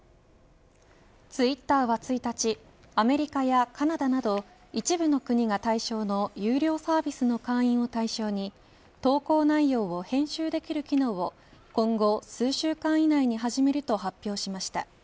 ツイッターは１日アメリカやカナダなど一部の国が対象の有料サービスの会員を対象に投稿内容を編集できる機能を今後数週間以内に始めると発表しました。